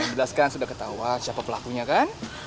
jelas kan sudah ketahuan siapa pelakunya kan